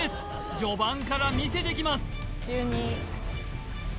序盤からみせてきます１２！